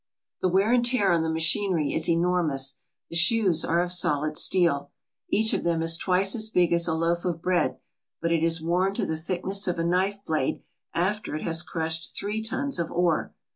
The wear and tear on the machinery is enormous. The shoes are of solid steel. Each of them is twice as big as a loaf of bread, but it is worn to the thinness of a knife blade after it has crushed three tons of ore.